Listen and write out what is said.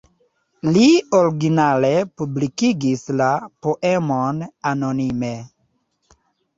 Li originale publikigis la poemon anonime.